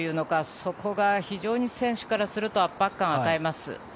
そこが非常に選手からすると圧迫感を与えます。